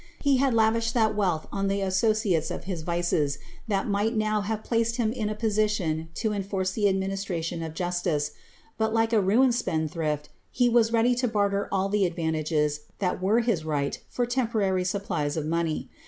He had lavished that wealth on the associates of his vices, that might now have placed him in a position to enforce the administration of Jus tice ; but, like a ruined spendthriA, he was ready to barter all the advan tages that were his right for temporary supplies of money.